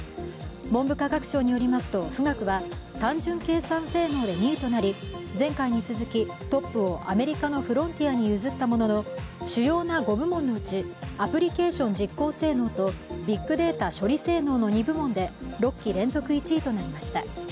文部科学省によりますと富岳は単純計算性能で２位となり前回に続きトップをアメリカのフロンティアに譲ったものの主要な５部門のうちアプリケーション実効性能とビッグデータ処理性能の２部門で６期連続１位となりました。